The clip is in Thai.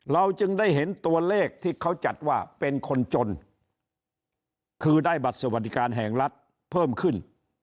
เราจึงได้เห็นตัวเลขที่เขาจัดว่าเป็นคนจนคือได้บัตรสวัสดิการแห่งรัฐเพิ่มขึ้น